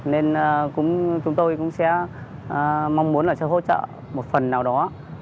nên chúng tôi cũng sẽ mong muốn là sẽ hỗ trợ một phần nào đó